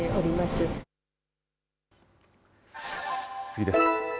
次です。